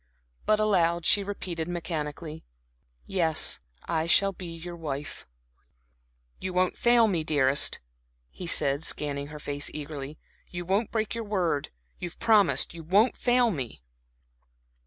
But aloud she repeated mechanically: "Yes, I shall be your wife." "You won't fail me, dearest," he said, scanning her face eagerly. "You won't break your word? You have promised you won't fail me?"